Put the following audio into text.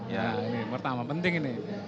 ya ini pertama penting ini